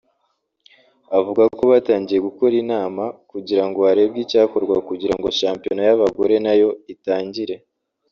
avuga ko batangiye gukora inama kugira ngo harebwe icyakorwa kugira ngo shampiyona y’abagorenayo itangire